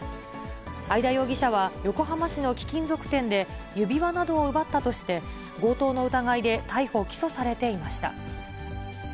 会田容疑者は横浜市の貴金属店で指輪などを奪ったとして、強盗の疑いで逮捕・起訴されていました。